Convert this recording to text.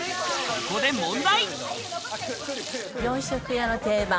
ここで問題。